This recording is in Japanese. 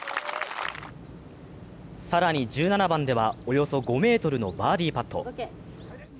更に１７番ではおよそ５ｍのバーディーパット。